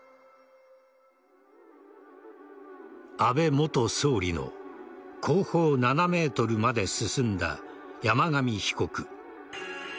安倍元総理の後方７ｍまで進んだ山上被告。